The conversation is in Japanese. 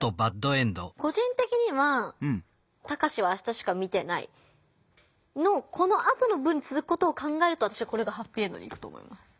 個人的には「タカシは明日しか見てない」のこのあとの文につづくことを考えるとこれがハッピーエンドにいくと思います。